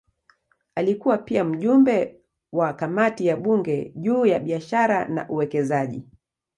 Alikuwa pia mjumbe wa kamati ya bunge juu ya biashara na uwekezaji.